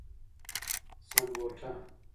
سمبوټه